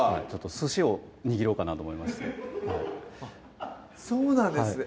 寿司を握ろうかなと思いましてそうなんですね